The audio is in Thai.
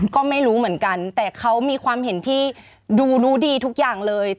ก็ไม่รู้เหมือนกันแต่เขามีความเห็นที่ดูรู้ดีทุกอย่างเลย